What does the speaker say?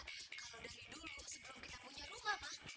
kalau dari dulu sebelum kita punya rumah pak